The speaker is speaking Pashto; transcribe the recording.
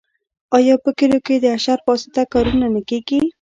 آیا په کلیو کې د اشر په واسطه کارونه نه کیږي؟